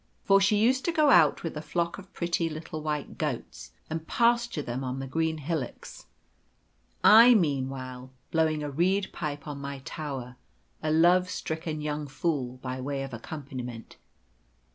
For she used to go out with a flock of pretty little white goats, and pasture them on the green hillocks, I meanwhile blowing a reed pipe on my tower, a love stricken young fool, by way of accompaniment.